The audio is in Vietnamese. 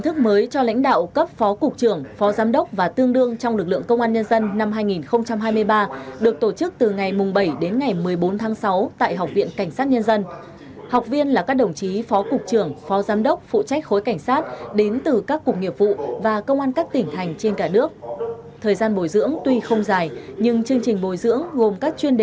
thưa quý vị bắt đầu từ tháng hai năm hai nghìn hai mươi ba